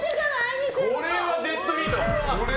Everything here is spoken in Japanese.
これはデッドヒート！